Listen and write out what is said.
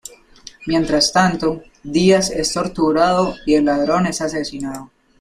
Mientras tanto, Díaz es torturado y el ladrón es asesinado.